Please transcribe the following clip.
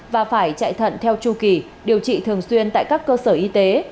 và phải chạy thận theo chu kỳ điều trị thường xuyên tại các cơ sở y tế